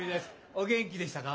お元気でしたか？